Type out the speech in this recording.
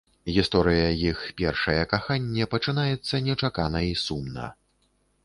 Гісторыя іх першае каханне пачынаецца нечакана і сумна.